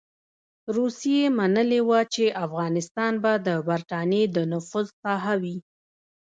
روسيې منلې وه چې افغانستان به د برټانیې د نفوذ ساحه وي.